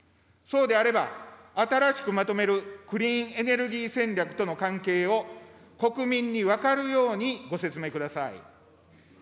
そうであれば、新しくまとめるクリーンエネルギー戦略との関係を国民に分かるようにご説明ください。